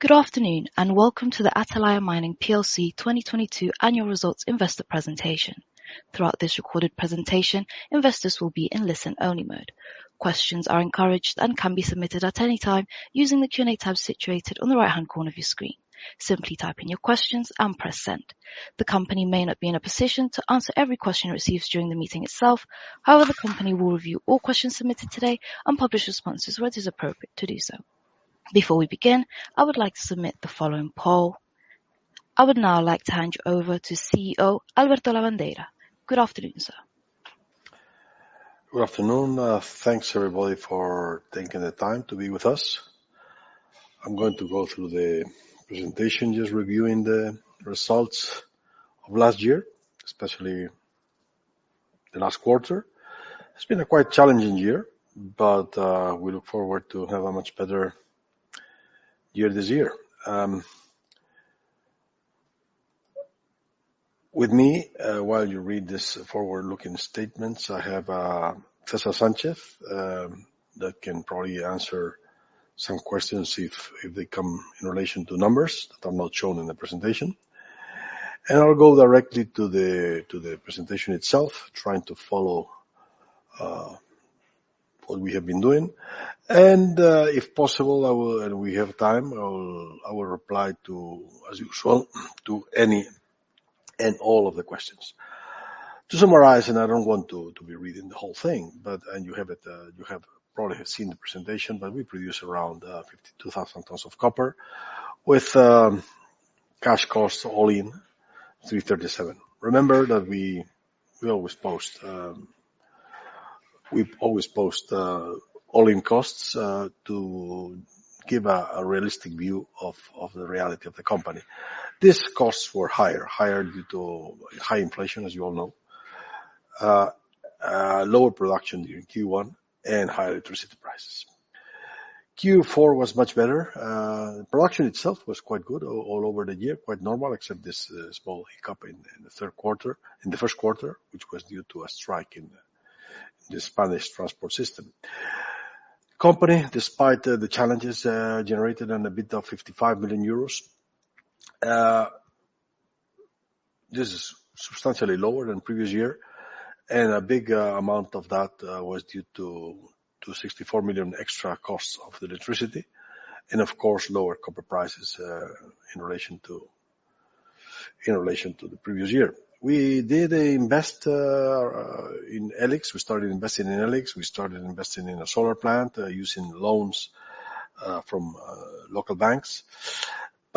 Good afternoon, and welcome to the Atalaya Mining plc 2022 annual results investor presentation. Throughout this recorded presentation, investors will be in listen-only mode. Questions are encouraged and can be submitted at any time using the Q&A tab situated on the right-hand corner of your screen. Simply type in your questions and press Send. The company may not be in a position to answer every question received during the meeting itself. However, the company will review all questions submitted today and publish responses where it is appropriate to do so. Before we begin, I would like to submit the following poll. I would now like to hand you over to CEO Alberto Lavandeira. Good afternoon, sir. Good afternoon. Thanks everybody for taking the time to be with us. I'm going to go through the presentation, just reviewing the results of last year, especially the last quarter. It's been a quite challenging year, but we look forward to have a much better year this year. With me, while you read this forward-looking statements, I have César Sánchez that can probably answer some questions if they come in relation to numbers that are not shown in the presentation. I'll go directly to the presentation itself, trying to follow what we have been doing. If possible, and we have time, I will reply to, as usual, to any and all of the questions. To summarize, I don't want to be reading the whole thing, but you have it, you have probably seen the presentation, but we produce around 52,000 tons of copper with cash costs all-in $3.37. Remember that we always post, we always post all-in costs to give a realistic view of the reality of the company. These costs were higher due to high inflation, as you all know, lower production during Q1 and higher electricity prices. Q4 was much better. Production itself was quite good all over the year, quite normal, except this small hiccup in the Q1, which was due to a strike in the Spanish transport system. Company, despite the challenges, generated an EBIT of 55 million euros. This is substantially lower than previous year, and a big amount of that was due to 64 million extra costs of the electricity and of course, lower copper prices in relation to the previous year. We did invest in E-LIX. We started investing in E-LIX. We started investing in a solar plant, using loans from local banks.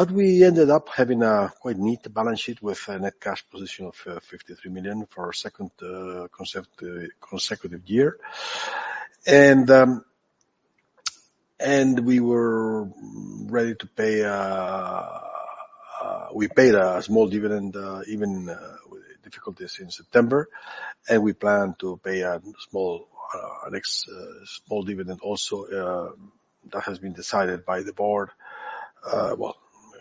We ended up having a quite neat balance sheet with a net cash position of 53 million for a second consecutive year. We were ready to pay. We paid a small dividend even with difficulties in September, and we plan to pay a small next small dividend also that has been decided by the board. Well,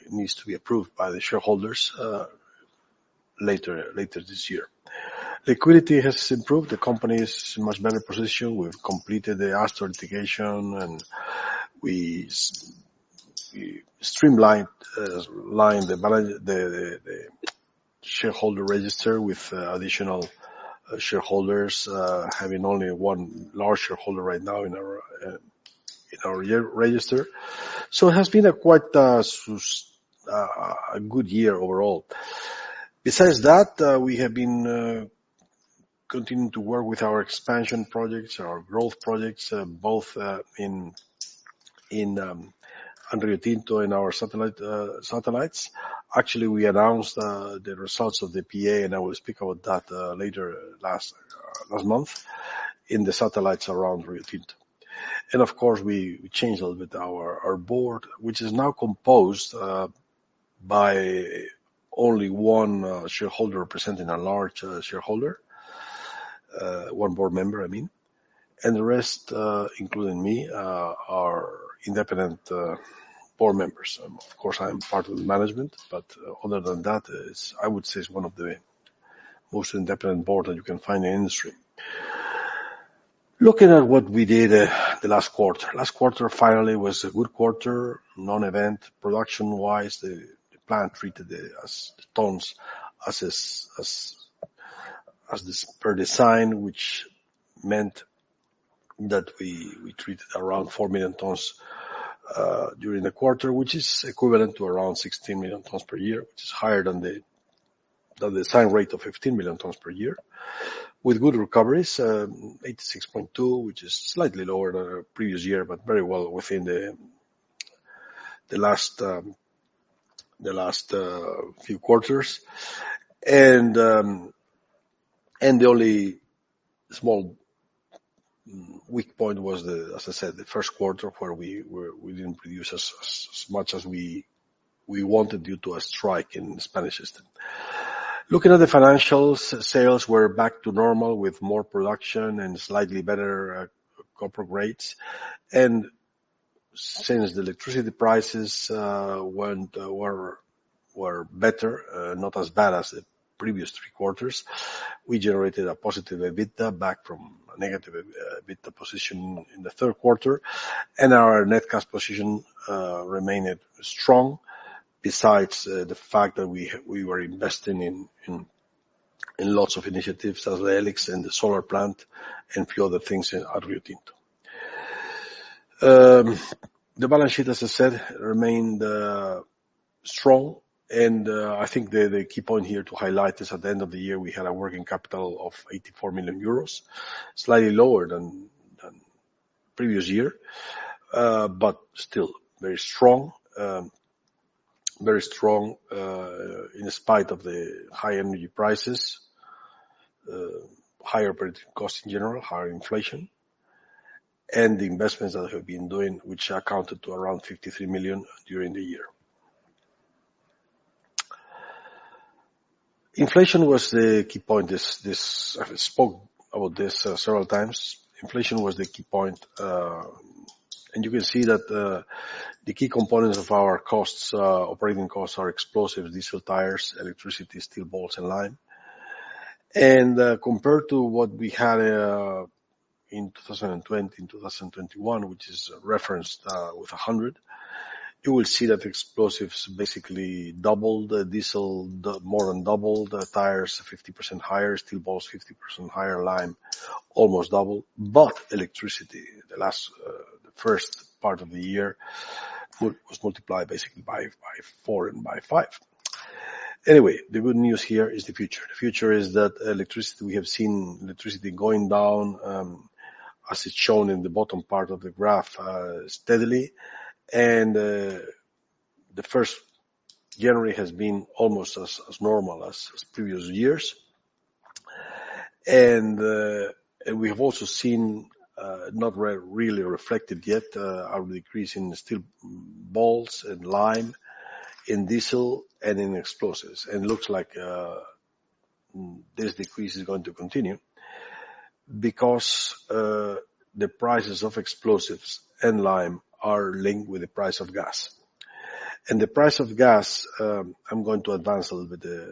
it needs to be approved by the shareholders later this year. Liquidity has improved. The company is in much better position. We've completed the Astor integration, and we streamlined the shareholder register with additional shareholders, having only one large shareholder right now in our year register. It has been a quite good year overall. Besides that, we have been continuing to work with our expansion projects, our growth projects, both in under Riotinto in our satellites. Actually, we announced the results of the PEA, and I will speak about that later last month in the satellites around Riotinto. Of course, we changed a little bit our board, which is now composed by only one shareholder representing a large shareholder, one board member, I mean. The rest, including me, are independent board members. Of course, I am part of the management, but other than that, I would say it's one of the most independent board that you can find in the industry. Looking at what we did the last quarter. Last quarter, finally, was a good quarter. Non-event production-wise. The plant treated the tons as is, as per design, which meant that we treated around 4 million tons during the quarter, which is equivalent to around 16 million tons per year, which is higher than the design rate of 15 million tons per year. With good recoveries, 86.2, which is slightly lower than our previous year, but very well within the last few quarters. The only small weak point was the, as I said, the Q1 where we didn't produce as much as we wanted due to a strike in the Spanish system. Looking at the financials, sales were back to normal with more production and slightly better copper grades. Since the electricity prices went were better, not as bad as the previous 3 quarters. We generated a positive EBITDA back from a negative EBITDA position in the Q3. Our net cash position remained strong besides the fact that we were investing in lots of initiatives such as the E-LIX and the solar plant and a few other things at Riotinto. The balance sheet, as I said, remained strong and I think the key point here to highlight is at the end of the year, we had a working capital of 84 million euros, slightly lower than previous year. Still very strong. Very strong in spite of the high energy prices, higher production costs in general, higher inflation, and the investments that we have been doing, which accounted to around 53 million during the year. Inflation was the key point this. I spoke about this several times. Inflation was the key point. You can see that the key components of our costs, operating costs are explosives, diesel, tires, electricity, steel balls, and lime. Compared to what we had in 2020 and 2021, which is referenced with 100, you will see that explosives basically doubled the diesel, more than doubled the tires, 50% higher steel balls, 50% higher lime, almost double. Electricity, the last, the first part of the year, was multiplied basically by 4 and by 5. Anyway, the good news here is the future. The future is that electricity, we have seen electricity going down, as it's shown in the bottom part of the graph, steadily. The first January has been almost as normal as previous years. We have also seen not really reflected yet, our decrease in steel balls and lime, in diesel and in explosives. Looks like this decrease is going to continue because the prices of explosives and lime are linked with the price of gas. The price of gas, I'm going to advance a little bit,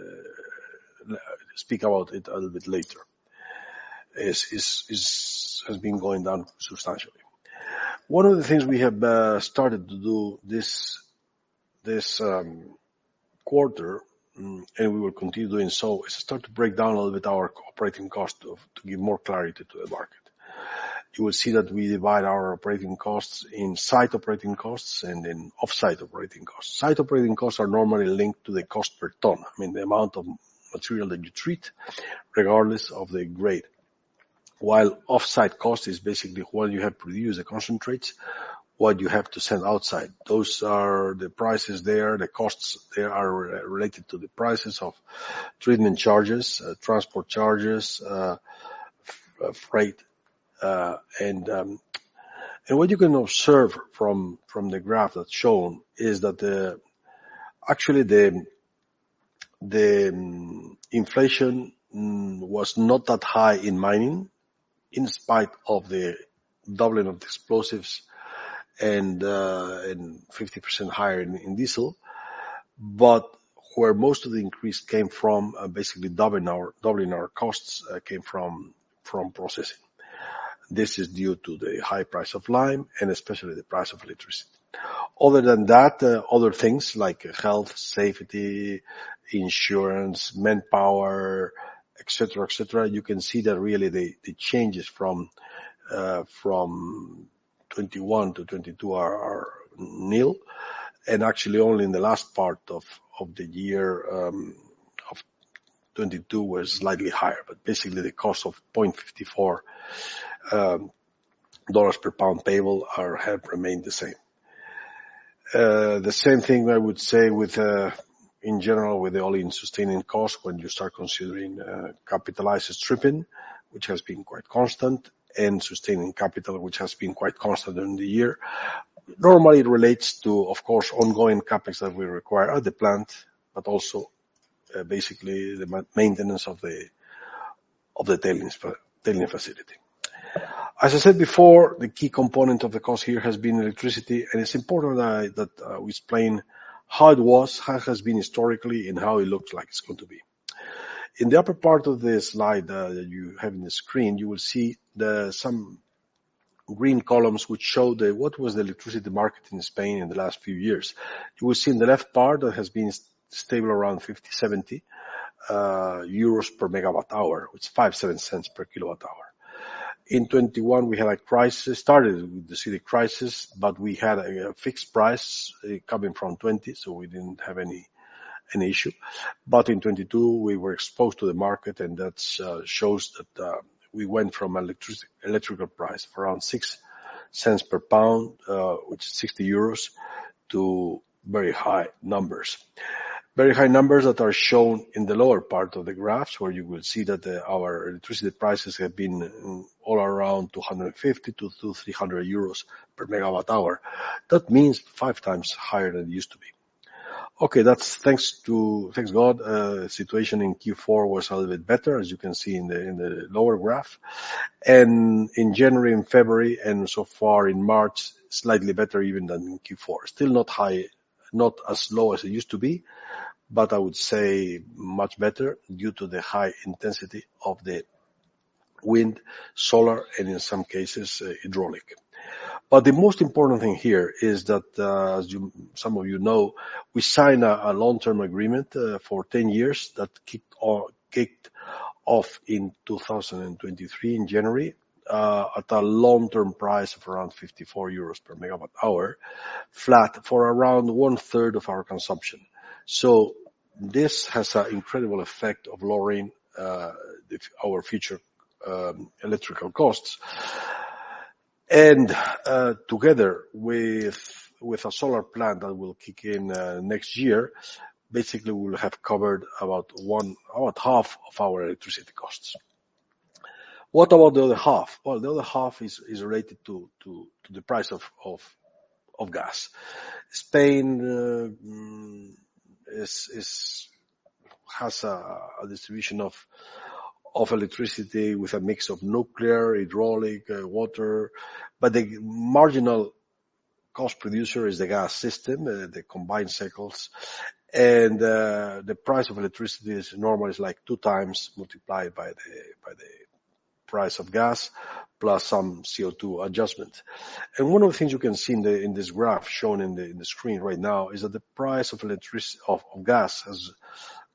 speak about it a little bit later. Has been going down substantially. One of the things we have started to do this quarter, and we will continue doing so, is start to break down a little bit our operating cost of, to give more clarity to the market. You will see that we divide our operating costs in site operating costs and in off-site operating costs. Site operating costs are normally linked to the cost per ton, I mean, the amount of material that you treat regardless of the grade. Off-site cost is basically what you have produced, the concentrates, what you have to send outside. Those are the prices there. The costs there are re-related to the prices of treatment charges, transport charges, freight. What you can observe from the graph that's shown is that actually the inflation was not that high in mining in spite of the doubling of the explosives and 50% higher in diesel. Where most of the increase came from, basically doubling our costs came from processing. This is due to the high price of lime and especially the price of electricity. Other than that, other things like health, safety, insurance, manpower, et cetera, et cetera, you can see that really the changes from 21 to 22 are nil. Actually, only in the last part of the year of 22 was slightly higher. Basically, the cost of $0.54 per pound payable have remained the same. The same thing I would say with in general with the all-in sustaining cost when you start considering capitalized stripping, which has been quite constant, and sustaining capital, which has been quite constant during the year. Normally, it relates to, of course, ongoing CapEx that we require at the plant, but also basically the maintenance of the tailings facility. As I said before, the key component of the cost here has been electricity, and it's important that we explain how it was, how it has been historically, and how it looks like it's going to be. In the upper part of the slide that you have in the screen, you will see the, some green columns which show the, what was the electricity market in Spain in the last few years. You will see in the left part that has been stable around 50 euros to 70 per megawatt hour. It's 0.05 to 0.07 per kilowatt hour. In 2021 we had a crisis. Started with the city crisis, but we had a fixed price coming from 2020, so we didn't have any, an issue. In 2022 we were exposed to the market and that's shows that we went from electrical price of around $0.06 per pound, which is 60 euros, to very high numbers. Very high numbers that are shown in the lower part of the graphs where you will see that our electricity prices have been all around 250 to 300 per megawatt hour. That means 5 times higher than it used to be. Okay. That's thanks to, thanks God, situation in Q4 was a little bit better, as you can see in the lower graph. In January and February, and so far in March, slightly better even than in Q4. Still not high, not as low as it used to be, but I would say much better due to the high intensity of the wind, solar, and in some cases, hydraulic. The most important thing here is that, as you some of you know, we signed a long-term agreement for 10 years that kicked off in 2023 in January, at a long-term price of around 54 euros per megawatt hour, flat for around one-third of our consumption. This has an incredible effect of lowering our future electrical costs. Together with a solar plant that will kick in next year, basically we'll have covered about half of our electricity costs. What about the other half? Well, the other half is related to the price of gas. Spain is has a distribution of electricity with a mix of nuclear, hydraulic, water, but the marginal cost producer is the gas system, the combined cycles. The price of electricity is normally like 2 times multiplied by the price of gas, plus some CO2 adjustment. One of the things you can see in this graph shown in the screen right now, is that the price of gas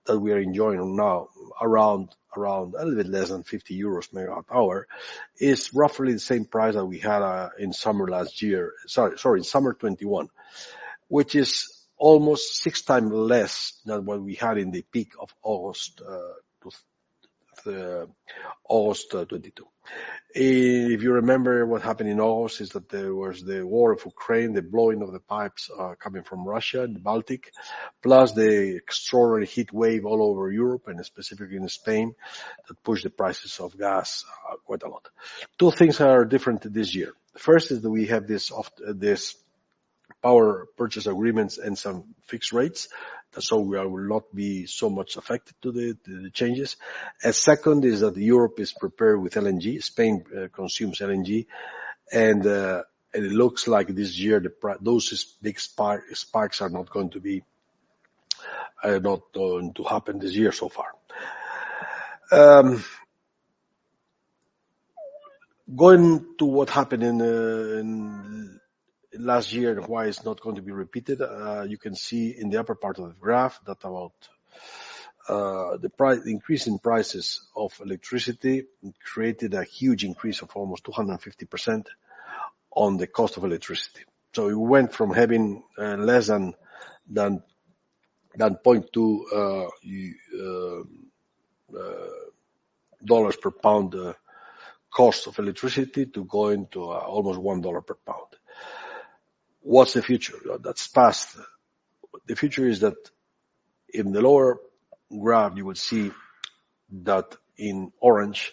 that we are enjoying now around a little bit less than 50 euros megawatt hour, is roughly the same price that we had in summer last year. Sorry, in summer 2021. Which is almost 6 times less than what we had in the peak of August 2022. If you remember what happened in August, is that there was the war of Ukraine, the blowing of the pipes coming from Russia and the Baltic, plus the extraordinary heat wave all over Europe, and specifically in Spain, that pushed the prices of gas quite a lot. Two things are different this year. First is that we have this of this power purchase agreements and some fixed rates, so we will not be so much affected to the changes. Second is that Europe is prepared with LNG. Spain consumes LNG, and it looks like this year the, those big spikes are not going to happen this year so far. Going to what happened in last year and why it's not going to be repeated, you can see in the upper part of the graph that about the increase in prices of electricity created a huge increase of almost 250% on the cost of electricity. It went from having less than 0.2 $ per pound cost of electricity to going to almost $1 per pound. What's the future? That's past. The future is that in the lower graph, you will see that in orange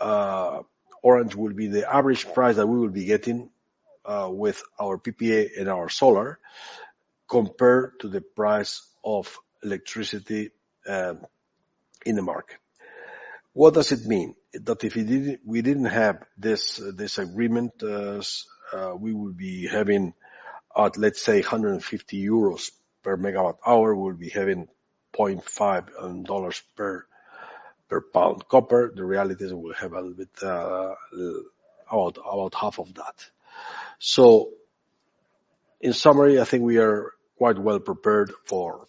will be the average price that we will be getting with our PPA and our solar compared to the price of electricity in the market. What does it mean? If we didn't have this agreement, we would be having at, let's say, 150 euros per megawatt hour, we'll be having $0.5 per pound copper. The reality is we'll have a little bit about half of that. In summary, I think we are quite well prepared for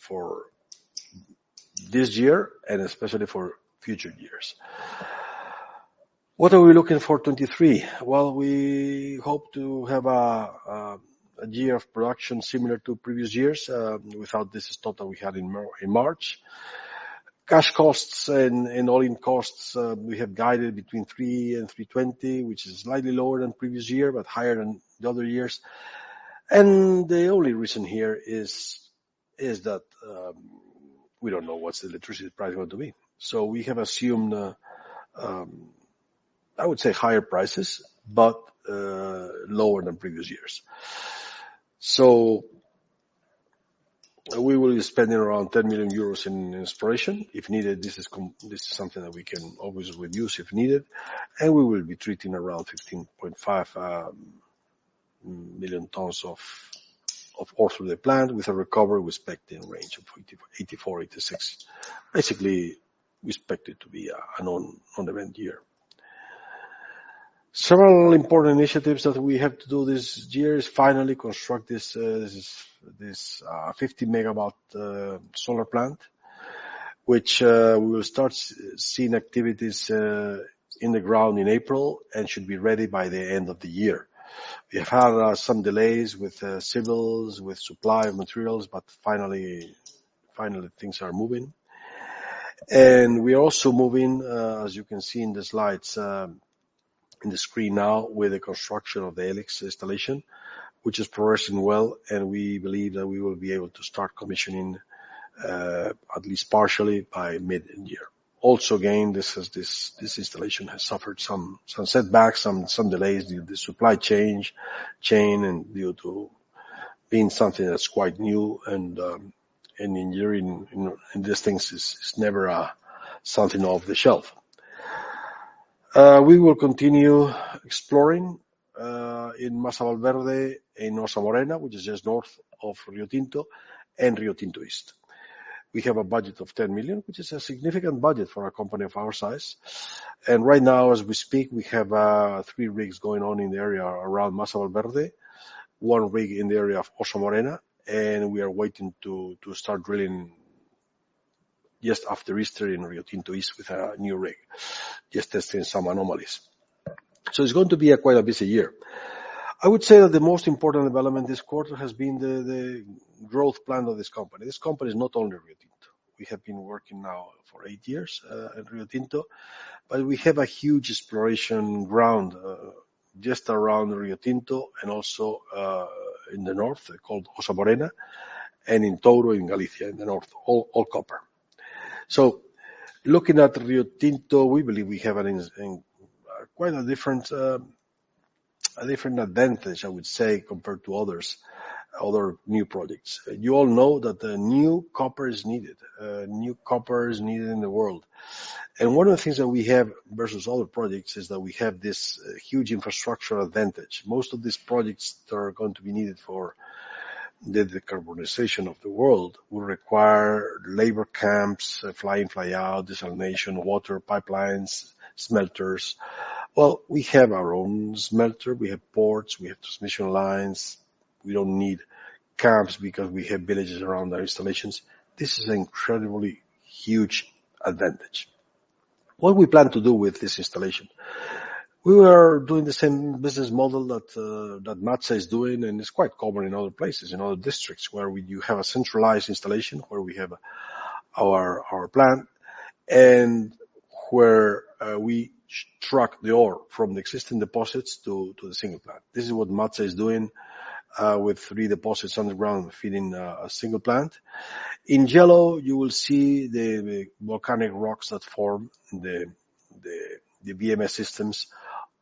this year and especially for future years. What are we looking for 2023? We hope to have a year of production similar to previous years, without this total we had in March. Cash costs and all-in costs, we have guided between $3 and $3.20, which is slightly lower than previous year, but higher than the other years. The only reason here is that we don't know what's the electricity price going to be. We have assumed I would say higher prices, but lower than previous years. We will be spending around 10 million euros in exploration. If needed, this is something that we can always reduce if needed. We will be treating around 15.5 million tons of ore through the plant with a recovery we expect in range of 84 to 86%. Basically, we expect it to be an on-demand year. Several important initiatives that we have to do this year is finally construct this 50-megawatt solar plant. Which we will start seeing activities in the ground in April and should be ready by the end of the year. We have had some delays with civils, with supply of materials, but finally things are moving. We are also moving, as you can see in the slides, in the screen now, with the construction of the E-LIX installation, which is progressing well, and we believe that we will be able to start commissioning, at least partially by mid-year. Again, this installation has suffered some setbacks, some delays due to the supply chain and due to being something that's quite new and engineering, you know, and these things is never something off the shelf. We will continue exploring in Masa Valverde, in Ossa Morena, which is just north of Riotinto, and Riotinto East. We have a budget of 10 million, which is a significant budget for a company of our size. Right now, as we speak, we have 3 rigs going on in the area around Masa Valverde, 1 rig in the area of Ossa Morena, and we are waiting to start drilling just after Easter in Riotinto East with a new rig, just testing some anomalies. It's going to be a quite a busy year. I would say that the most important development this quarter has been the growth plan of this company. This company is not only Riotinto. We have been working now for 8 years at Riotinto, but we have a huge exploration ground just around Riotinto and also in the north called Ossa Morena and in Toro, in Galicia, in the north, all copper. Looking at Riotinto, we believe we have quite a different advantage, I would say, compared to others, other new projects. You all know that the new copper is needed. New copper is needed in the world. One of the things that we have versus other projects is that we have this huge infrastructure advantage. Most of these projects that are going to be needed for the decarbonization of the world will require labor camps, fly in, fly out, desalination, water pipelines, smelters. We have our own smelter, we have ports, we have transmission lines. We don't need camps because we have villages around our installations. This is an incredibly huge advantage. What we plan to do with this installation. We were doing the same business model that MATSA is doing, and it's quite common in other places, in other districts, where we do have a centralized installation where we have our plant and where we track the ore from the existing deposits to the single plant. This is what MATSA is doing with three deposits underground feeding a single plant. In yellow, you will see the volcanic rocks that form the VMS systems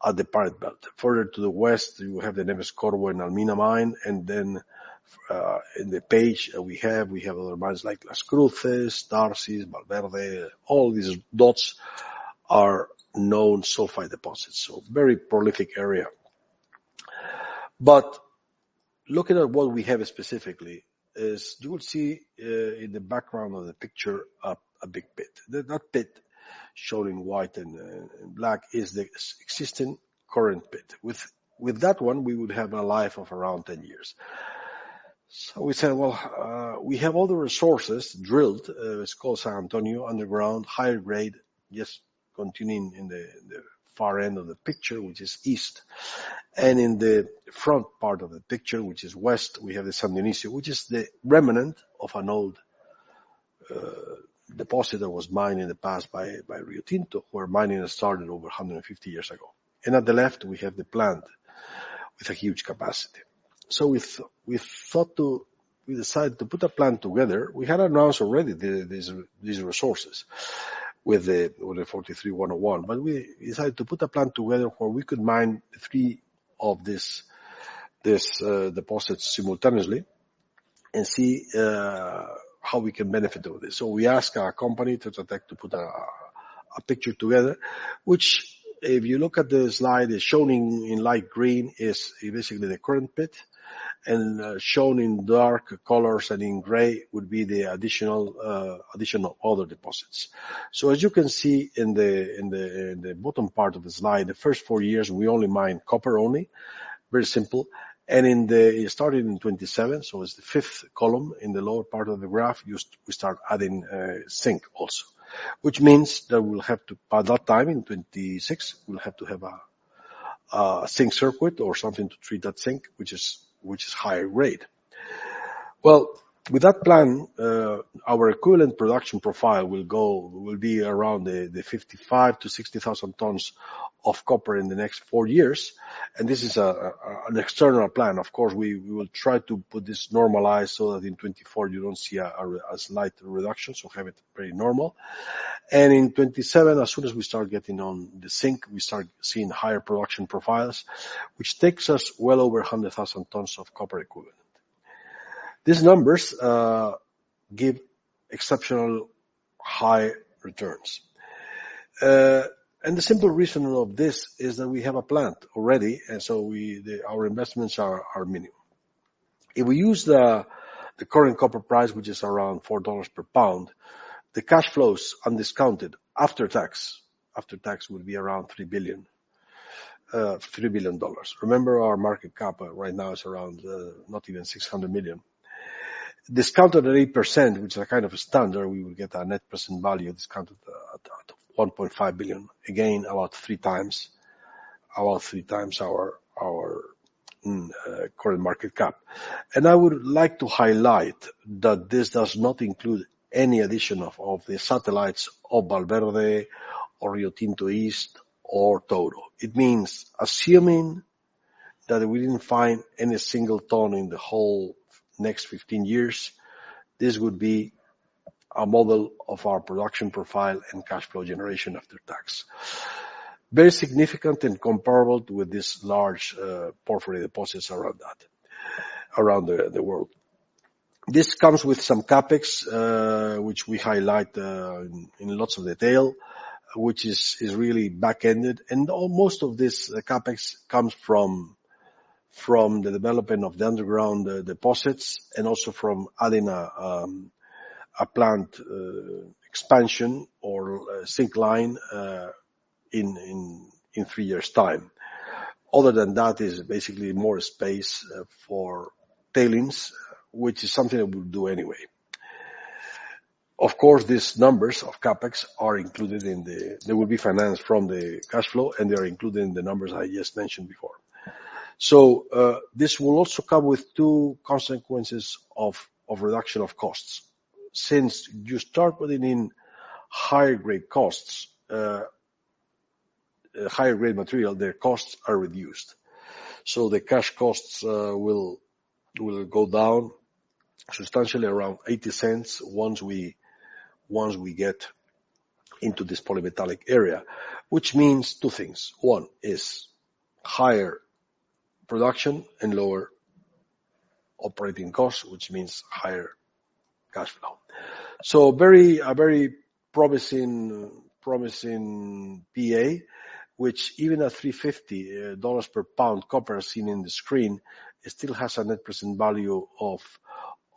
at the Pyrite Belt. Further to the west, you have the Neves-Corvo and Almina mine, and then in the page, we have other mines like Las Cruces, Tharsis, Valverde. All these dots are known sulfide deposits. Very prolific area. Looking at what we have specifically is you will see in the background of the picture a big pit. That pit shown in white and black is the existing current pit. With that one, we would have a life of around 10 years. We said, well, we have all the resources drilled. It's called San Antonio underground, high grade, just continuing in the far end of the picture, which is east. In the front part of the picture, which is west, we have the San Dionisio, which is the remnant of an old deposit that was mined in the past by Rio Tinto, where mining started over 150 years ago. At the left, we have the plant with a huge capacity. We decided to put a plant together. We had announced already the these resources with the NI 43-101, but we decided to put a plant together where we could mine three of these deposits simultaneously and see how we can benefit out of this. We ask our company, Tetra Tech, to put a picture together, which if you look at the slide, is shown in light green is basically the current pit, and shown in dark colors and in gray would be the additional other deposits. As you can see in the bottom part of the slide, the first four years, we only mine copper only. Very simple. Starting in 2027, it's the fifth column in the lower part of the graph, we start adding zinc also. Which means that we'll have to, by that time in 2026, we'll have to have a zinc circuit or something to treat that zinc, which is higher grade. Well, with that plan, our equivalent production profile will be around the 55,000 to 60,000 tons of copper in the next four years. This is an external plan. Of course, we will try to put this normalized so that in 2024 you don't see a slight reduction, so have it very normal. In 2027, as soon as we start getting on the zinc, we start seeing higher production profiles, which takes us well over 100,000 tons of copper equivalent. These numbers give exceptional high returns. The simple reason of this is that we have a plant already, and so our investments are minimal. If we use the current copper price, which is around $4 per pound, the cash flows undiscounted after tax will be around $3 billion. Remember, our market cap right now is around not even $600 million. Discounted at 8%, which is a kind of a standard, we will get our net present value discounted at $1.5 billion. Again, about 3 times our current market cap. I would like to highlight that this does not include any addition of the satellites of Valverde or Rio Tinto East or Toro. It means assuming that we didn't find any single ton in the whole next 15 years, this would be our model of our production profile and cash flow generation after tax. Very significant and comparable with this large portfolio deposits around the world. This comes with some CapEx, which we highlight in lots of detail, which is really back-ended. Most of this CapEx comes from the development of the underground deposits and also from adding a plant expansion or a second line in 3 years' time. Other than that, is basically more space for tailings, which is something that we'll do anyway. Of course, these numbers of CapEx are included in the. They will be financed from the cash flow, and they are included in the numbers I just mentioned before. This will also come with two consequences of reduction of costs. Since you start putting in higher grade material, their costs are reduced. The cash costs will go down substantially around $0.80 once we get into this polymetallic area. Which means two things. One is higher production and lower operating costs, which means higher cash flow. A very promising PEA, which even at $3.50 per pound copper as seen in the screen, it still has a net present value of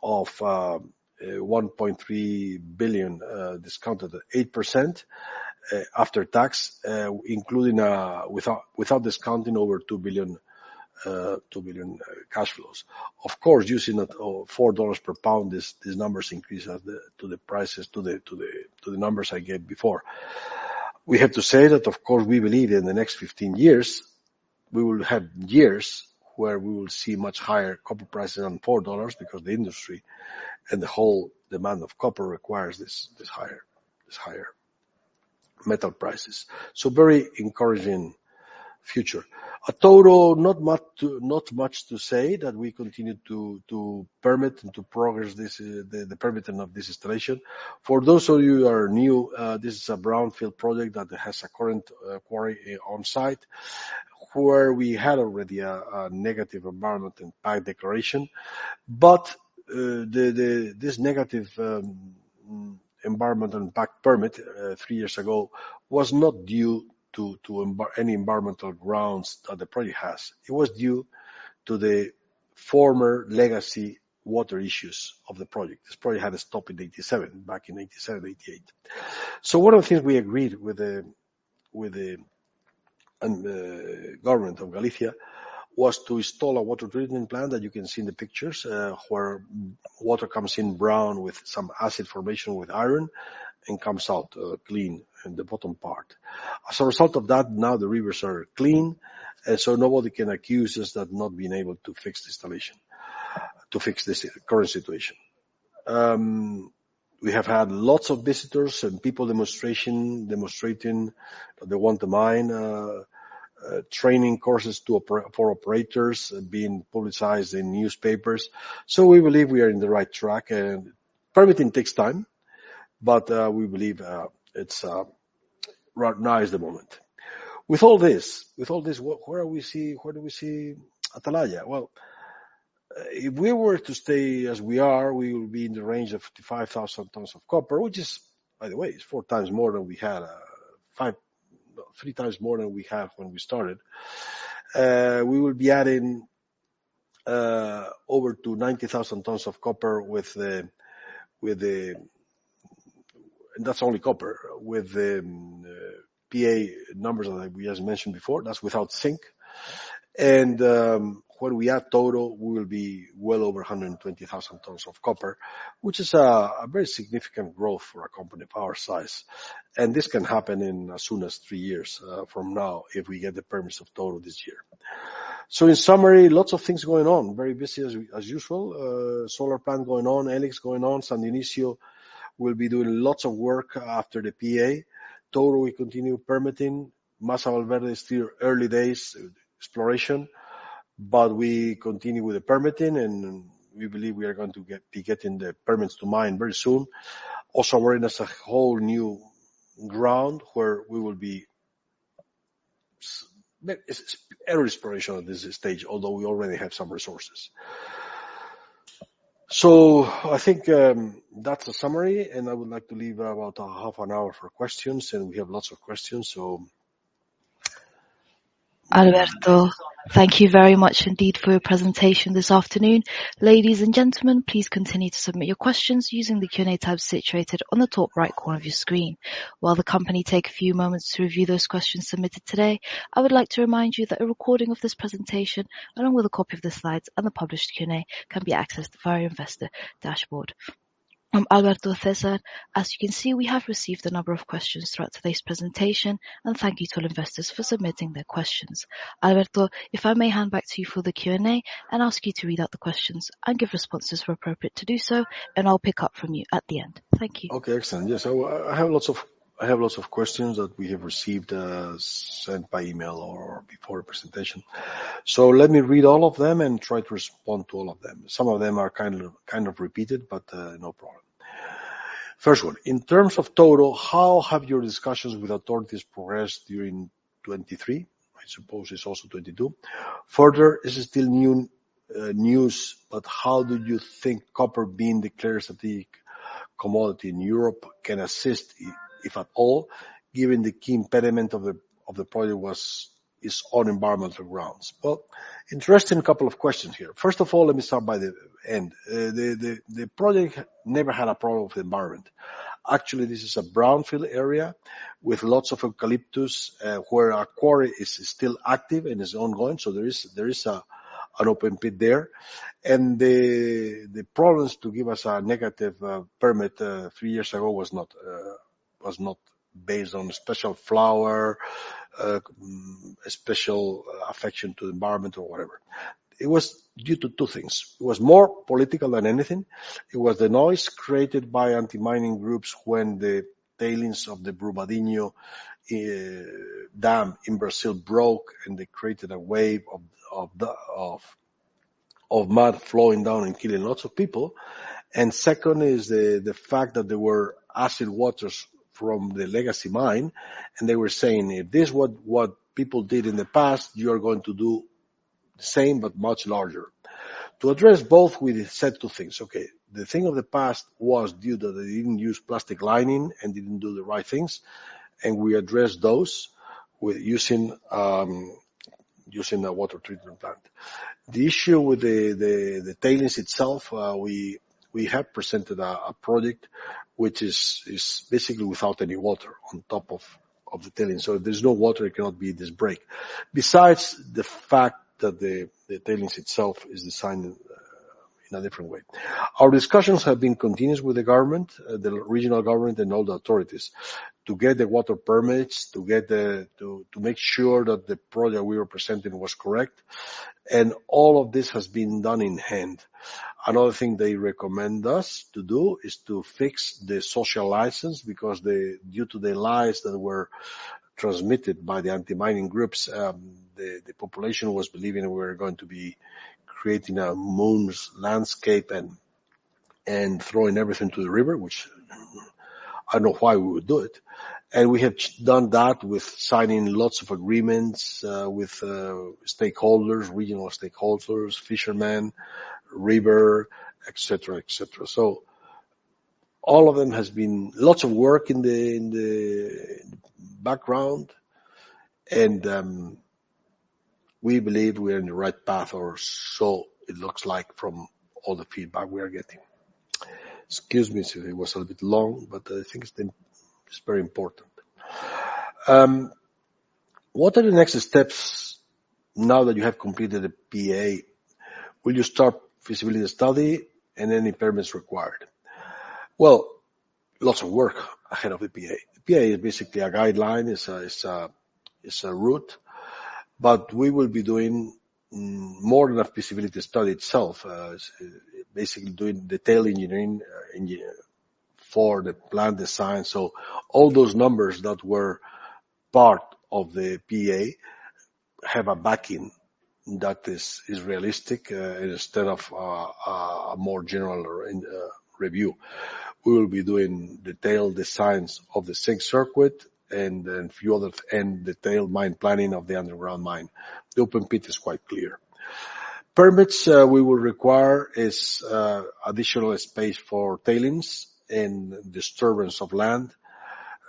$1.3 billion, discounted at 8% after tax, including without discounting over $2 billion cash flows. Of course, using at $4 per pound, these numbers increase at the to the prices, to the numbers I gave before. We have to say that, of course, we believe in the next 15 years, we will have years where we will see much higher copper prices than $4 because the industry and the whole demand of copper requires this higher metal prices. Very encouraging future. At Toro, not much to say than we continue to permit and to progress this the permitting of this installation. For those of you who are new, this is a brownfield project that has a current quarry on site, where we had already a negative environmental impact declaration. The this negative environmental impact permit three years ago was not due to any environmental grounds that the project has. It was due to the former legacy water issues of the project. This project had a stop in 87, back in 87, 88. One of the things we agreed with the government of Galicia was to install a water treatment plant that you can see in the pictures, where water comes in brown with some acid formation with iron and comes out clean in the bottom part. As a result of that, now the rivers are clean, nobody can accuse us of not being able to fix the installation, to fix this current situation. We have had lots of visitors and people demonstration, demonstrating that they want the mine, training courses for operators being publicized in newspapers. We believe we are in the right track and permitting takes time, but we believe it's right now is the moment. With all this, where do we see Atalaya? Well, if we were to stay as we are, we will be in the range of 55,000 tons of copper, which is, by the way, is 4 times more than we had, 3 times more than we have when we started. We will be adding over to 90,000 tons of copper. That's only copper. With the PEA numbers that we just mentioned before, that's without zinc. When we add Toro, we will be well over 120,000 tons of copper, which is a very significant growth for a company of our size. This can happen in as soon as 3 years from now if we get the permits of Toro this year. In summary, lots of things going on. Very busy as we, as usual. Solar plant going on, E-LIX going on, San Dionisio will be doing lots of work after the PEA. Toro, we continue permitting. Masa Valverde is still early days exploration, but we continue with the permitting, and we believe we are going to be getting the permits to mine very soon. O Sabarín is a whole new ground where we will be early exploration at this stage, although we already have some resources. I think, that's the summary, and I would like to leave about a half an hour for questions, and we have lots of questions, so. Alberto, thank you very much indeed for your presentation this afternoon. Ladies and gentlemen, please continue to submit your questions using the Q&A tab situated on the top right corner of your screen. While the company take a few moments to review those questions submitted today, I would like to remind you that a recording of this presentation, along with a copy of the slides and the published Q&A, can be accessed via investor dashboard. Alberto, César, as you can see, we have received a number of questions throughout today's presentation. Thank you to all investors for submitting their questions. Alberto, if I may hand back to you for the Q&A and ask you to read out the questions and give responses where appropriate to do so, and I'll pick up from you at the end. Thank you. Okay. Excellent. Yes. I have lots of questions that we have received, sent by email or before presentation. Let me read all of them and try to respond to all of them. Some of them are kind of repeated, no problem. First one: In terms of total, how have your discussions with authorities progressed during 2023? I suppose it's also 2022. This is still new news, but how do you think copper being declared a strategic commodity in Europe can assist, if at all, given the key impediment of the project is on environmental grounds? Interesting couple of questions here. First of all, let me start by the end. The project never had a problem with the environment. Actually, this is a brownfield area with lots of eucalyptus, where a quarry is still active and is ongoing. There is an open pit there. The problems to give us a negative permit, three years ago was not, was not based on special flower, a special affection to the environment or whatever. It was due to two things. It was more political than anything. It was the noise created by anti-mining groups when the tailings of the Brumadinho dam in Brazil broke, and they created a wave of mud flowing down and killing lots of people. Second is the fact that there were acid waters from the legacy mine, and they were saying, "If this is what people did in the past, you're going to do the same but much larger." To address both, we said two things. Okay, the thing of the past was due that they didn't use plastic lining and didn't do the right things, and we addressed those with using a water treatment plant. The issue with the tailings itself, we have presented a project which is basically without any water on top of the tailings. If there's no water, it cannot be this break. Besides the fact that the tailings itself is designed in a different way. Our discussions have been continuous with the government, the regional government and all the authorities, to get the water permits, to make sure that the project we were presenting was correct. All of this has been done in hand. Another thing they recommend us to do is to fix the social license because due to the lies that were transmitted by the anti-mining groups, the population was believing we were going to be creating a moon's landscape and throwing everything to the river, which I don't know why we would do it. We have done that with signing lots of agreements with stakeholders, regional stakeholders, fishermen, river, et cetera, et cetera. All of them has been lots of work in the background. We believe we're in the right path or so it looks like from all the feedback we are getting. Excuse me, sir. It was a little bit long, but I think it's very important. What are the next steps now that you have completed the PEA? Will you start feasibility study and any permits required? Well, lots of work ahead of the PEA. The PEA is basically a guideline. It's a route. We will be doing more of a feasibility study itself, basically doing detailed engineering for the plant design. All those numbers that were part of the PEA have a backing that is realistic, instead of a more general review. We will be doing detailed designs of the sink circuit and then few other. Detailed mine planning of the underground mine. The open pit is quite clear. Permits, we will require is additional space for tailings and disturbance of land,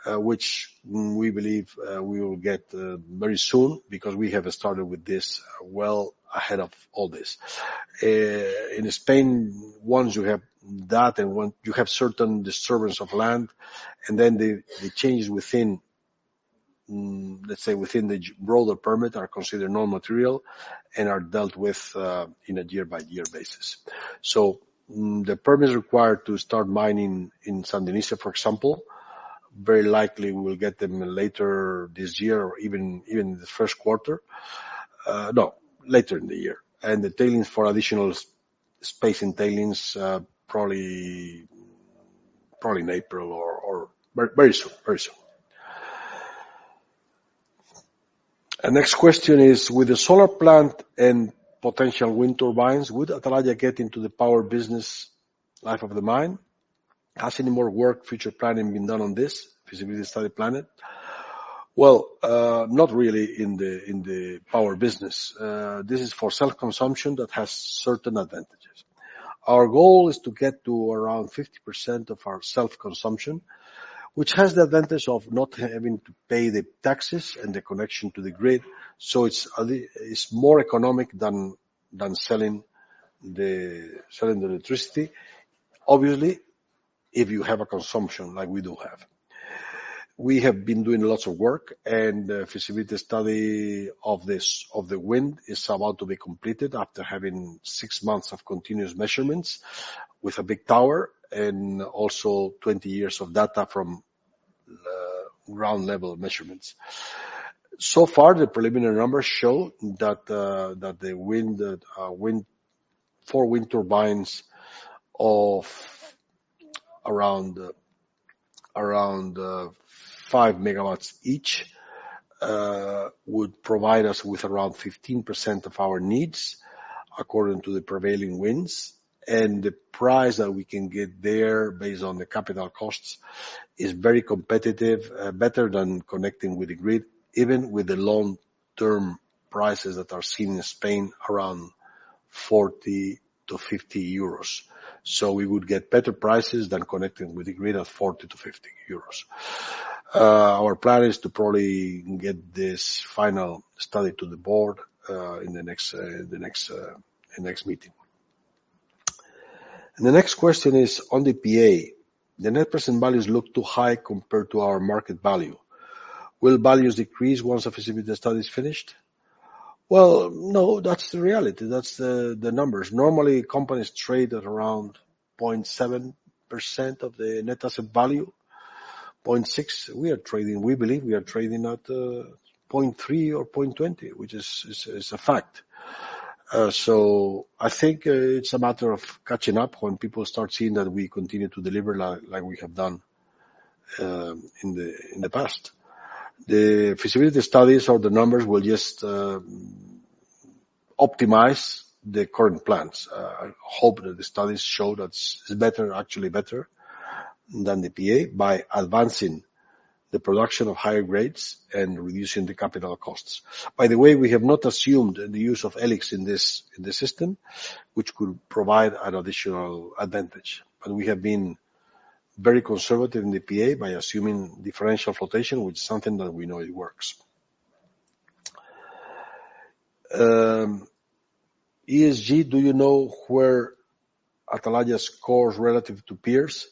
which we believe, we will get very soon because we have started with this well ahead of all this. In Spain, once you have that and once you have certain disturbance of land, and then the changes within, let's say, within the broader permit are considered non-material and are dealt with in a year-by-year basis. The permits required to start mining in Santanica, for example, very likely we will get them later this year or even in the Q1. No, later in the year. The tailings for additional space and tailings, probably in April or very soon. Very soon. Next question is: With the solar plant and potential wind turbines, would Atalaya get into the power business life of the mine? Has any more work, future planning been done on this feasibility study plant? Well, not really in the power business. This is for self-consumption that has certain advantages. Our goal is to get to around 50% of our self-consumption, which has the advantage of not having to pay the taxes and the connection to the grid. It's more economic than selling the electricity. Obviously, if you have a consumption like we do have. We have been doing lots of work and the feasibility study of this, of the wind is about to be completed after having 6 months of continuous measurements with a big tower and also 20 years of data from ground-level measurements. So far, the preliminary numbers show that the wind, 4 wind turbines of around 5 megawatts each, would provide us with around 15% of our needs according to the prevailing winds. And the price that we can get there based on the capital costs is very competitive, better than connecting with the grid, even with the long-term prices that are seen in Spain, around 40 to 50. We would get better prices than connecting with the grid at 40 to 50. Our plan is to probably get this final study to the board in the next meeting. The next question is on the PEA. The net present values look too high compared to our market value. Will values decrease once the feasibility study is finished? No, that's the reality. That's the numbers. Normally, companies trade at around 0.7% of the net asset value, 0.6%. We believe we are trading at 0.3% or 0.20%, which is a fact. I think it's a matter of catching up when people start seeing that we continue to deliver like we have done in the past. The feasibility studies or the numbers will just optimize the current plans. I hope that the studies show that's better, actually better than the PEA by advancing the production of higher grades and reducing the capital costs. By the way, we have not assumed the use of E-LIX in this, in this system, which could provide an additional advantage. We have been very conservative in the PEA by assuming differential flotation, which is something that we know it works. ESG, do you know where Atalaya scores relative to peers?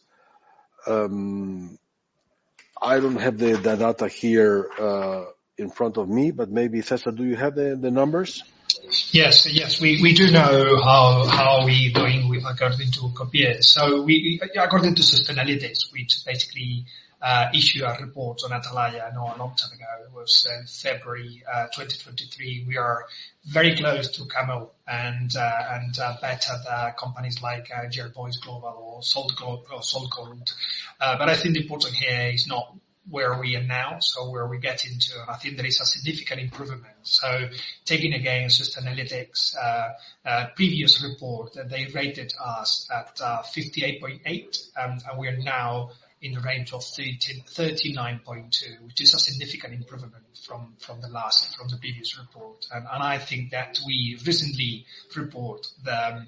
I don't have the data here, in front of me, but maybe César, do you have the numbers? Yes. Yes, we do know how are we doing with regards into peers. According to Sustainalytics, which basically issue a report on Atalaya, not a long time ago, it was in February 2023, we are very close to Camel and better than companies like Jerpoint Global or Solid Gold. But I think the important here is not where we are now, where are we getting to. I think there is a significant improvement. Taking, again, Sustainalytics previous report, that they rated us at 58.8, and we are now in the range of 39.2, which is a significant improvement from the last, from the previous report. I think that we recently report the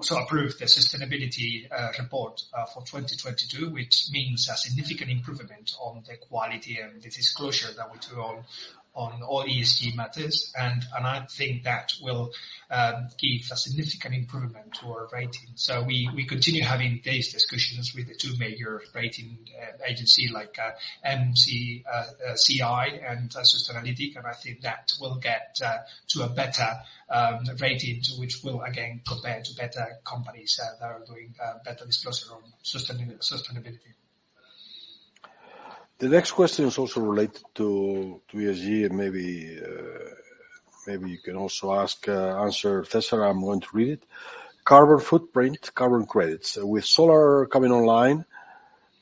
so approved the sustainability report for 2022, which means a significant improvement on the quality and the disclosure that we do on all ESG matters. I think that will give a significant improvement to our rating. We continue having these discussions with the two major rating agency like MSCI and Sustainalytics, and I think that will get to a better rating, which will again compare to better companies that are doing better disclosure on sustainability. The next question is also related to ESG, maybe you can also answer, César, I'm going to read it. Carbon footprint, carbon credits. With solar coming online,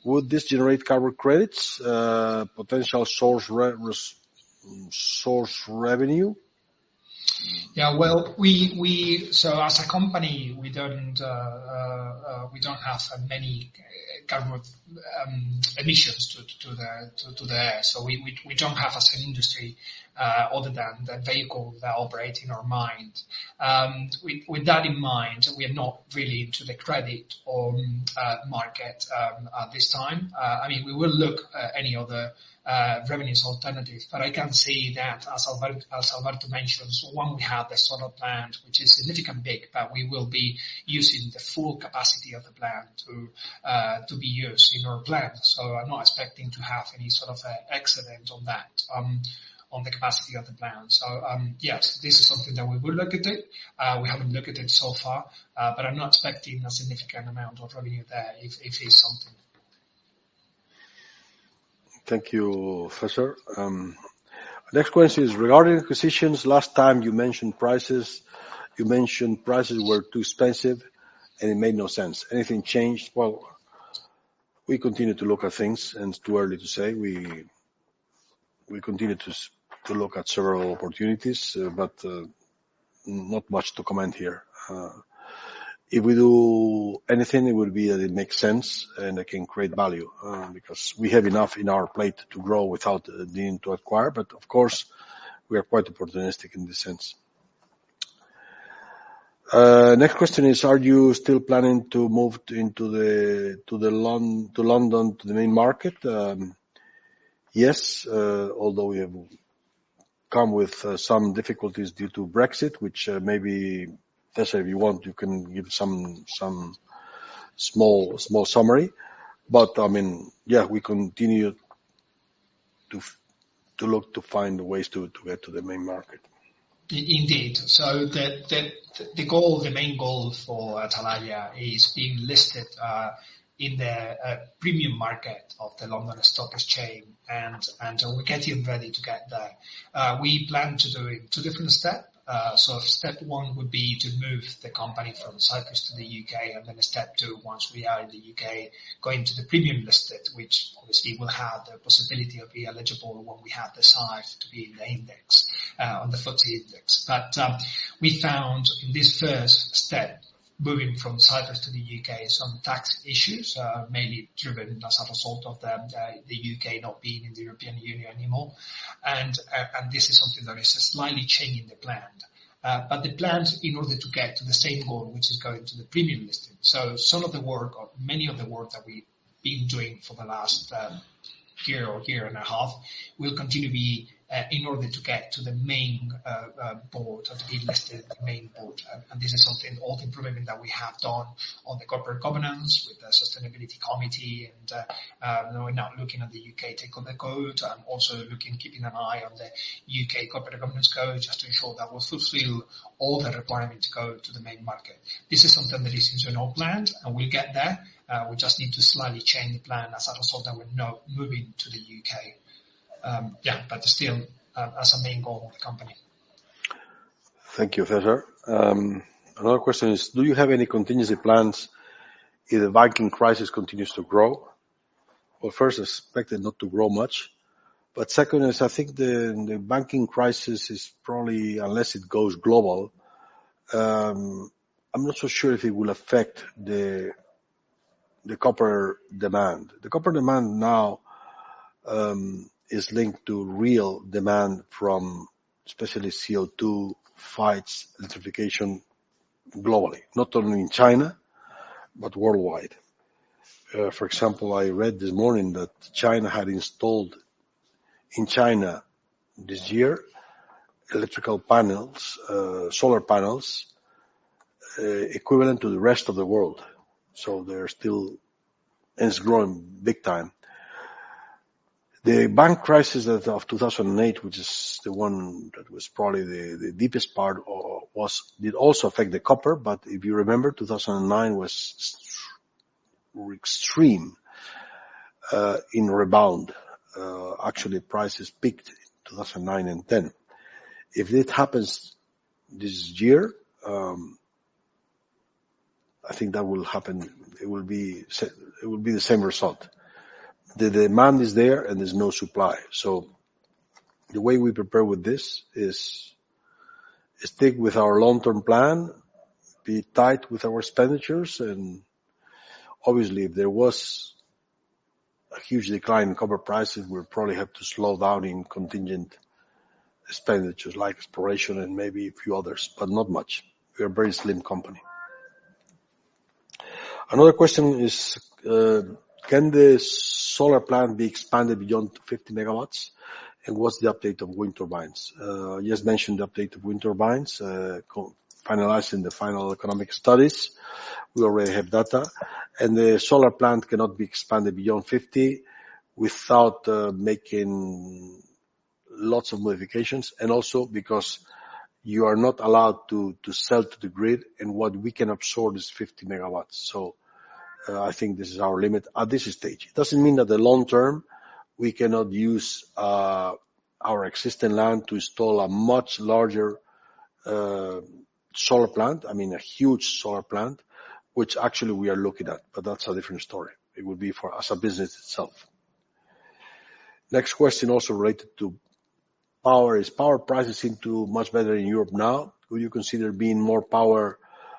would this generate carbon credits, potential resource revenue? Well, we as a company, we don't have many carbon emissions to the air. We don't have as an industry other than the vehicle that operate in our mine. With that in mind, we are not really into the credit or market at this time. I mean, we will look any other revenues alternative, but I can see that as Alberto mentioned, when we have the solar plant, which is significant big, that we will be using the full capacity of the plant to be used in our plant. I'm not expecting to have any sort of accident on that on the capacity of the plant. Yes, this is something that we will look at it. We haven't looked at it so far, but I'm not expecting a significant amount of revenue there if it's something. Thank you, César. Next question is regarding acquisitions. Last time you mentioned prices, you mentioned prices were too expensive, it made no sense. Anything changed? Well, we continue to look at things, it's too early to say. We continue to look at several opportunities, but, not much to comment here. If we do anything, it will be that it makes sense and it can create value, because we have enough in our plate to grow without needing to acquire. Of course, we are quite opportunistic in this sense. Next question is, are you still planning to move into the, to London, to the main market? Yes, although we have come with some difficulties due to Brexit, which, maybe, César, if you want, you can give some small summary. I mean, yeah, we continue to look to find ways to get to the Main Market. Indeed. The goal, the main goal for Atalaya is being listed in the premium market of the London Stock Exchange, and we're getting ready to get there. We plan to do it 2 different step. So step 1 would be to move the company from Cyprus to the U.K., and then step 2, once we are in the U.K., going to the premium listed, which obviously will have the possibility of being eligible when we have the size to be in the index on the FTSE index. We found in this first step, moving from Cyprus to the U.K., some tax issues, mainly driven as a result of the U.K. not being in the European Union anymore. This is something that is slightly changing the plan. The plan in order to get to the same goal, which is going to the premium listing. Some of the work or many of the work that we've been doing for the last year or year and a half will continue to be in order to get to the listed main board. This is something, all the improvement that we have done on the corporate governance with the sustainability committee and now we're now looking at the UK Takeover Code and also looking, keeping an eye on the UK Corporate Governance Code just to ensure that we'll fulfill all the requirements to go to the main market. This is something that is in our plan, we get there. We just need to slightly change the plan as a result that we're now moving to the UK. Yeah, still, as a main goal of the company. Thank you, César. Another question is, do you have any contingency plans if the banking crisis continues to grow? Well, first, I expect it not to grow much. Second is I think the banking crisis is probably, unless it goes global, I'm not so sure if it will affect the copper demand. The copper demand now is linked to real demand from especially CO2 fights electrification globally, not only in China, but worldwide. For example, I read this morning that China had installed, in China this year, electrical panels, solar panels, equivalent to the rest of the world. They're still. It's growing big time. The bank crisis of 2008, which is the one that was probably the deepest part, it also affect the copper. If you remember, 2009 was extreme in rebound. Actually, prices peaked in 2009 and 2010. If it happens this year, I think that will happen. It will be the same result. The demand is there and there's no supply. The way we prepare with this is stick with our long-term plan, be tight with our expenditures, and obviously, if there was a huge decline in copper prices, we'll probably have to slow down in contingent expenditures like exploration and maybe a few others, but not much. We're a very slim company. Another question is, can the solar plant be expanded beyond 50 MW, and what's the update on wind turbines? You just mentioned the update of wind turbines, finalizing the final economic studies. We already have data. The solar plant cannot be expanded beyond 50 without making lots of modifications, and also because you are not allowed to sell to the grid, and what we can absorb is 50 MW. I think this is our limit at this stage. It doesn't mean that the long term, we cannot use our existing land to install a much larger solar plant, I mean, a huge solar plant, which actually we are looking at, but that's a different story. It would be for as a business itself. Next question also related to power is: Power prices seem to much better in Europe now. Will you consider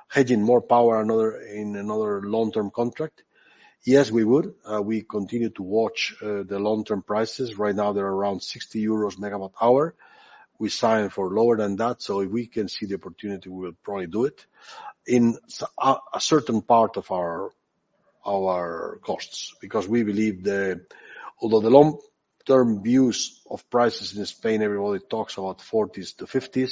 hedging more power in another long-term contract? Yes, we would. We continue to watch the long-term prices. Right now, they're around 60 euros megawatt hour. We sign for lower than that. If we can see the opportunity, we will probably do it in a certain part of our costs, because we believe although the long-term views of prices in Spain, everybody talks about 40s to 50s,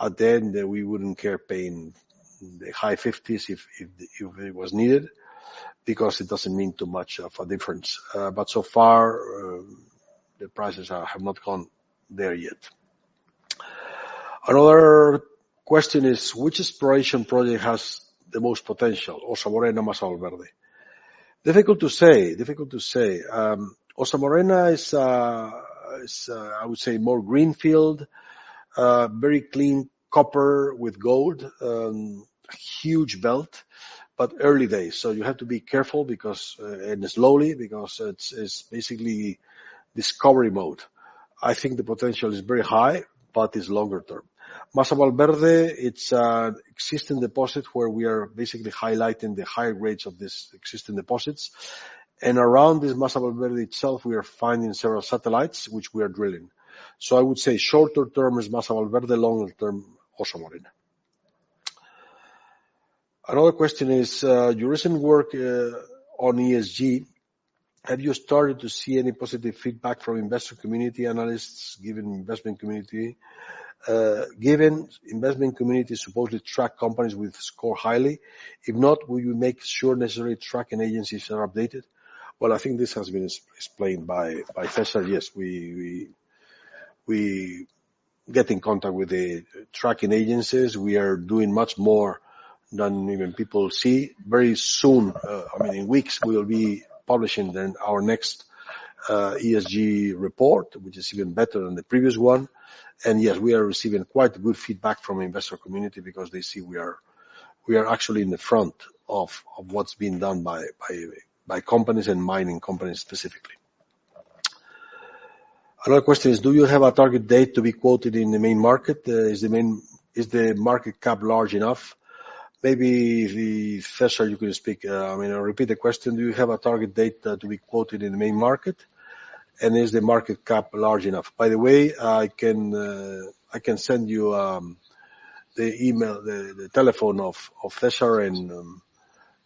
at the end, we wouldn't care paying the high 50s if it was needed, because it doesn't mean too much of a difference. So far, the prices have not gone there yet. Another question is: Which exploration project has the most potential, Ossa Morena or Masa Valverde? Difficult to say. Difficult to say. Ossa Morena is I would say more greenfield, very clean copper with gold, huge belt, but early days. You have to be careful because and slowly because it's basically discovery mode. I think the potential is very high, but it's longer term. Masa Valverde, it's an existing deposit where we are basically highlighting the high grades of these existing deposits. Around this Masa Valverde itself, we are finding several satellites, which we are drilling. I would say shorter term is Masa Valverde, longer term, Ossa Morena. Another question is your recent work on ESG, have you started to see any positive feedback from investor community analysts, given investment community? Given investment community supposedly track companies which score highly. If not, will you make sure necessary tracking agencies are updated? Well, I think this has been explained by César. Yes, we get in contact with the tracking agencies. We are doing much more than even people see. Very soon, I mean, in weeks, we will be publishing then our next ESG report, which is even better than the previous one. Yes, we are receiving quite good feedback from investor community because they see we are actually in the front of what's being done by companies and mining companies specifically. Another question is: Do you have a target date to be quoted in the main market? Is the market cap large enough? Maybe if, César, you can speak. I mean, I'll repeat the question. Do you have a target date to be quoted in the main market, and is the market cap large enough? By the way, I can send you the telephone of César,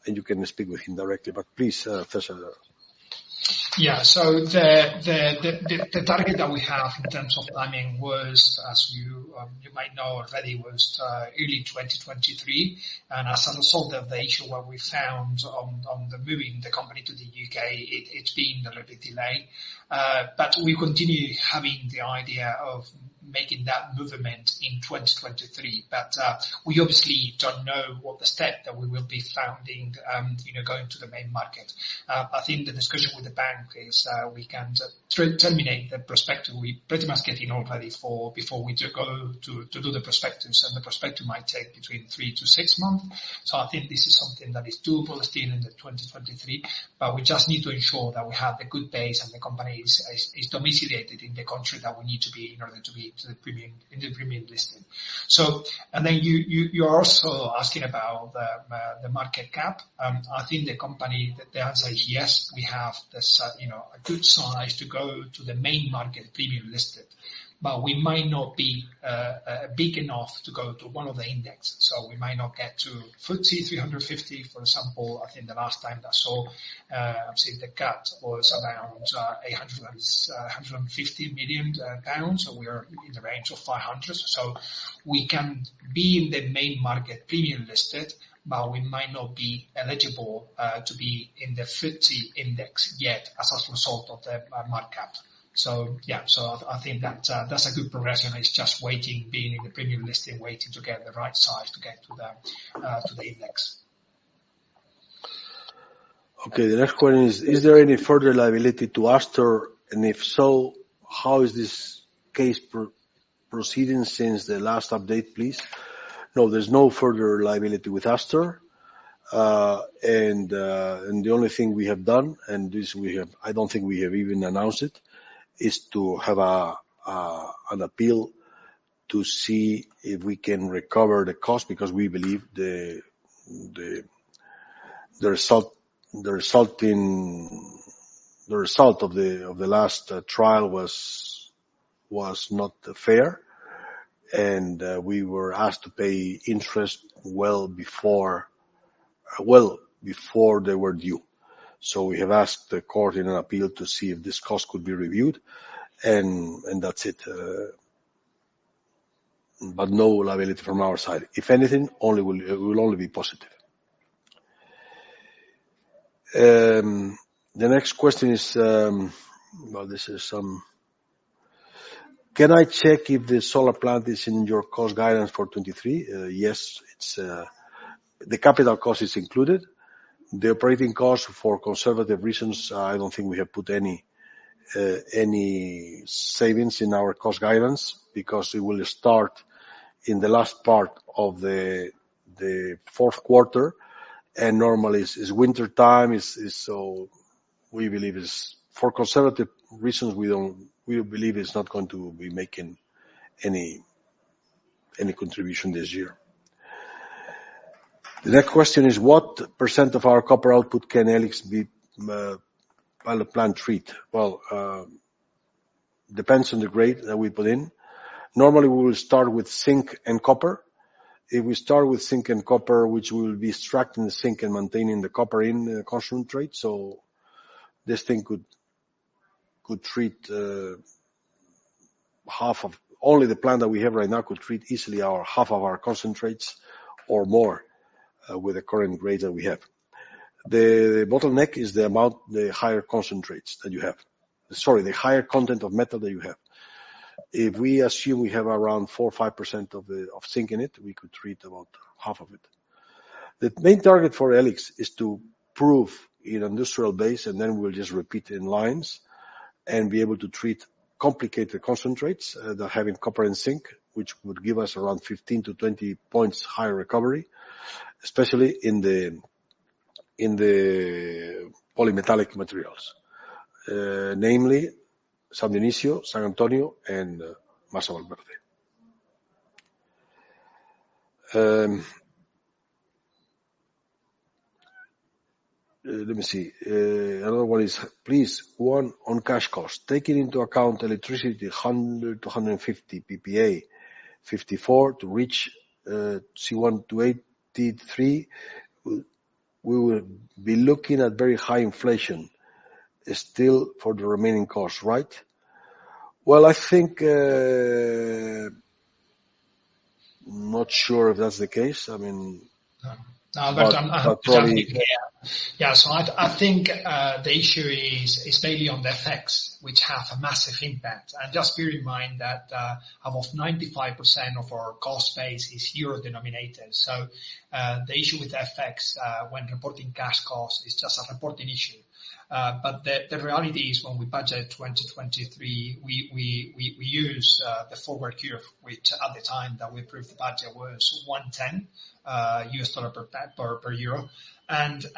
and you can speak with him directly. Please, César. The target that we have in terms of timing was, as you might know already, was early 2023. As a result of the issue, what we found on the moving the company to the UK, it's been a little bit delayed. We continue having the idea of making that movement in 2023. We obviously don't know what the step that we will be founding, you know, going to the Main Market. I think the discussion with the bank is, we can terminate the perspective. We pretty much get in already for before we go to do the perspectives, and the perspective might take between 3 to 6 months. I think this is something that is doable still in 2023, but we just need to ensure that we have the good base and the company is domiciliated in the country that we need to be in order to be to the premium, in the premium listing. You're also asking about the market cap. I think the company, the answer is yes. We have the, you know, a good size to go to the main market premium listed. We might not be big enough to go to one of the indexes. We might not get to FTSE 350, for example. I think the last time that saw, I've seen the cap was around 850 million pounds, so we are in the range of 500 million. So we can be in the main market premium listed, but we might not be eligible to be in the FT index yet as a result of the market cap. I think that's a good progression. It's just waiting, being in the premium listing, waiting to get the right size to get to the index. Okay. The next question is: Is there any further liability to Astor? If so, how is this case proceeding since the last update, please? No, there's no further liability with Astor. The only thing we have done, and this I don't think we have even announced it, is to have an appeal to see if we can recover the cost, because we believe the result of the last trial was not fair, and we were asked to pay interest well before they were due. We have asked the court in an appeal to see if this cost could be reviewed, and that's it. No liability from our side. If anything, it will only be positive. The next question is, well, Can I check if the solar plant is in your cost guidance for 23? Yes, it's, the capital cost is included. The operating cost, for conservative reasons, I don't think we have put any savings in our cost guidance because it will start in the last part of the Q4, normally is wintertime. We believe it's, for conservative reasons, we believe it's not going to be making any contribution this year. The next question is: What % of our copper output can E-LIX be, well, plant treat? Well, depends on the grade that we put in. Normally, we will start with zinc and copper. If we start with zinc and copper, which we will be extracting the zinc and maintaining the copper in the concentrate. Only the plant that we have right now could treat easily our half of our concentrates or more, with the current grade that we have. The bottleneck is the higher content of metal that you have. If we assume we have around 4% or 5% of the, of zinc in it, we could treat about half of it. The main target for E-LIX is to prove in industrial base, and then we'll just repeat in lines and be able to treat complicated concentrates that are having copper and zinc, which would give us around 15 to 20 points higher recovery, especially in the polymetallic materials, namely San Dionisio, San Antonio, and Masa Valverde. Let me see. Another one is: Please, Juan, on cash costs, taking into account electricity $100 to 150 PPA, $0.54 to reach C1 to $0.83, we will be looking at very high inflation still for the remaining costs, right? Well, I think, I'm not sure if that's the case. I mean. No. No. But, but probably- I think the issue is mainly on the effects, which have a massive impact. Just bear in mind that almost 95% of our cost base is euro-denominated. The issue with the effects when reporting cash costs is just a reporting issue. The reality is when we budget 2023, we use the forward cure, which at the time that we approved the budget was 1.10 US dollar per euro. The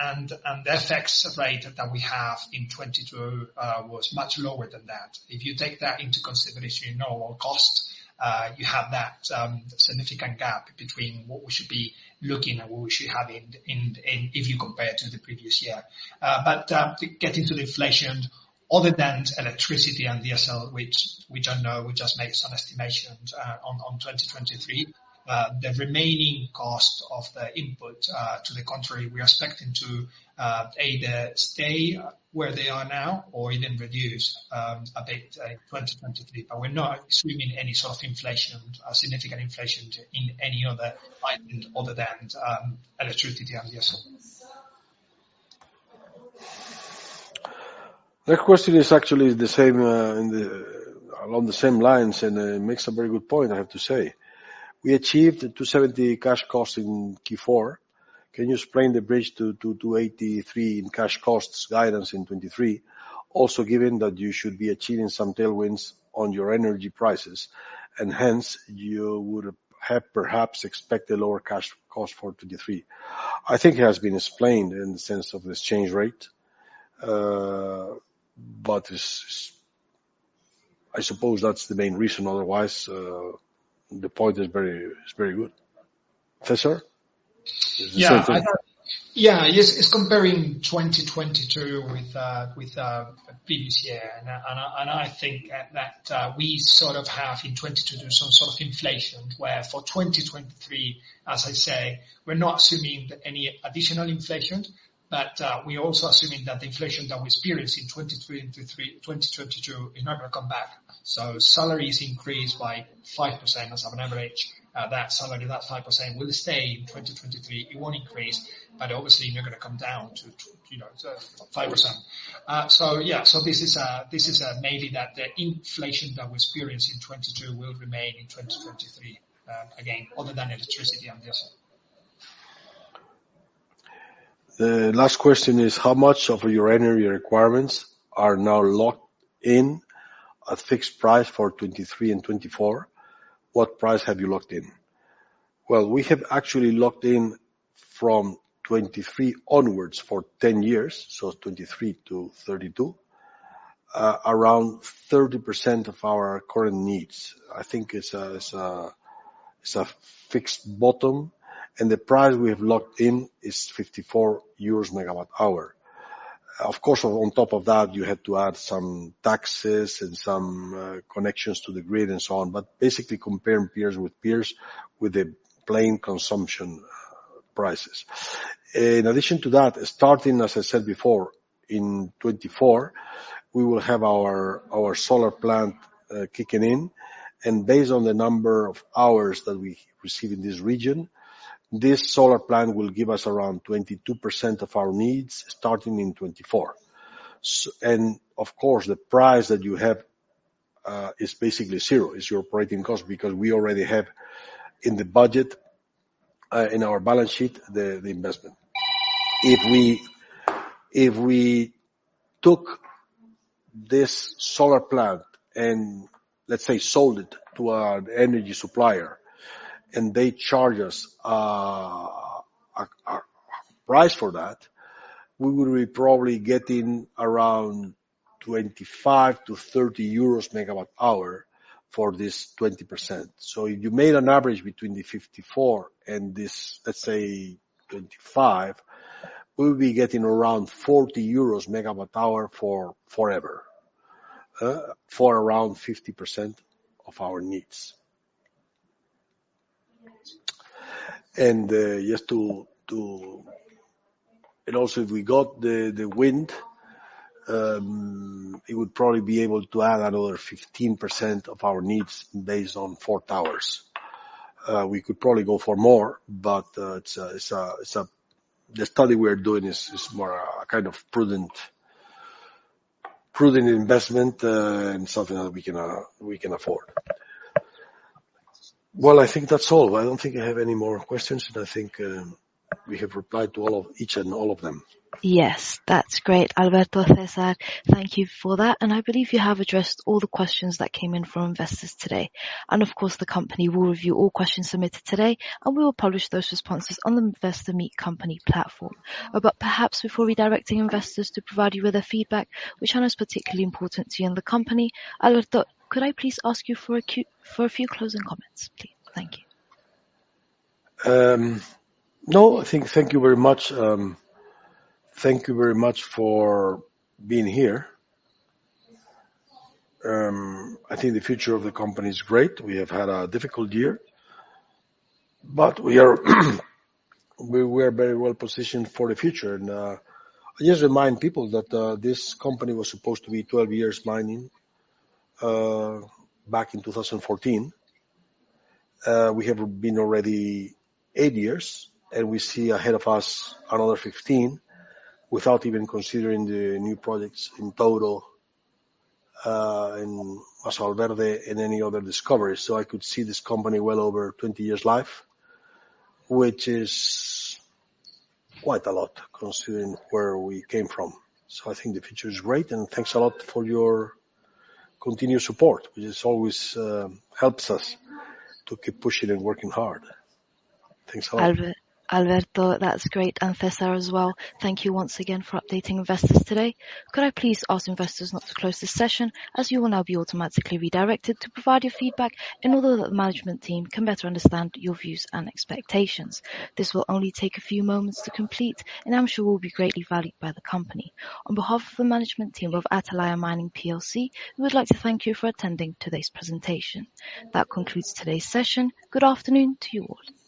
effects rate that we have in 2022 was much lower than that. If you take that into consideration, you know our cost, you have that significant gap between what we should be looking at, what we should have if you compare to the previous year. To get into the inflation, other than electricity and diesel, which I know we just made some estimations on 2023, the remaining cost of the input, to the contrary, we are expecting to either stay where they are now or even reduce a bit in 2023. We're not assuming any sort of inflation, significant inflation in any other item other than electricity and diesel. The question is actually the same, along the same lines, and makes a very good point, I have to say. We achieved $2.70 cash costs in Q4. Can you explain the bridge to $2.83 in cash costs guidance in 2023? Given that you should be achieving some tailwinds on your energy prices, and hence, you would have perhaps expected lower cash cost for 2023. I think it has been explained in the sense of exchange rate. It's I suppose that's the main reason. Otherwise, the point is very good. César? Yeah. It's the same thing. Yeah. Yes, it's comparing 2022 with previous year. I think that we sort of have in 2022, some sort of inflation, where for 2023, as I say, we're not assuming any additional inflation. We're also assuming that the inflation that we experienced in 2022 is not gonna come back. Salaries increased by 5% as of an average. That salary, that 5% will stay in 2023. It won't increase. Obviously not gonna come down to you know, to 5%. Yeah. This is mainly that the inflation that we experienced in 2022 will remain in 2023, again, other than electricity and diesel. The last question is: How much of your energy requirements are now locked in a fixed price for 2023 and 2024? What price have you locked in? Well, we have actually locked in from 2023 onwards for 10 years, so 2023 to 2032, around 30% of our current needs. I think it's a fixed bottom, and the price we have locked in is 54 euros MWh. Of course, on top of that, you have to add some taxes and some connections to the grid and so on. Basically, comparing peers with peers with the plain consumption prices. In addition to that, starting, as I said before, in 2024, we will have our solar plant kicking in. Based on the number of hours that we receive in this region, this solar plant will give us around 22% of our needs starting in 2024. Of course, the price that you have is basically zero. It's your operating cost because we already have, in the budget, in our balance sheet, the investment. If we took this solar plant and, let's say, sold it to an energy supplier and they charge us a price for that, we will be probably getting around 25 to 30 megawatt-hour for this 20%. If you made an average between the 54 and this, let's say, 25, we'll be getting around 40 euros megawatt-hour for forever, for around 50% of our needs. Just to Also, if we got the wind, it would probably be able to add another 15% of our needs based on 4 towers. We could probably go for more, but the study we're doing is more a kind of prudent investment, and something that we can afford. I think that's all. I don't think I have any more questions, and I think we have replied to each and all of them. Yes, that's great. Alberto, César, thank you for that. I believe you have addressed all the questions that came in from investors today. Of course, the company will review all questions submitted today, and we will publish those responses on the Investor Meet Company platform. Perhaps before redirecting investors to provide, you with their feedback, which one is particularly important to you and the company, Alberto, could I please ask you for a few closing comments, please? Thank you. No, I think thank you very much. Thank you very much for being here. I think the future of the company is great. We have had a difficult year, but we are very well positioned for the future. I just remind people that this company was supposed to be 12 years mining back in 2014. We have been already 8 years, and we see ahead of us another 15, without even considering the new projects in total, in Paso Verde and any other discovery. I could see this company well over 20 years life, which is quite a lot considering where we came from. I think the future is great, and thanks a lot for your continued support, which is always helps us to keep pushing and working hard. Thanks a lot. Alberto, that's great, and César as well. Thank you once again for updating investors today. Could I please ask investors now to close this session, as you will now be automatically redirected to provide your feedback and although the management team can better understand your views and expectations. This will only take a few moments to complete, and I'm sure will be greatly valued by the company. On behalf of the management team of Atalaya Mining plc, we would like to thank you for attending today's presentation. That concludes today's session. Good afternoon to you all. Thank you.